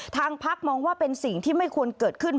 ทางพักมองว่าเป็นสิ่งที่ไม่ควรเกิดขึ้น